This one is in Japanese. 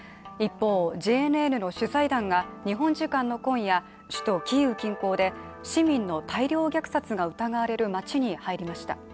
一方、ＪＮＮの取材団が日本時間の今夜首都キーウ近郊で市民の大量虐殺が疑われる街に入りました。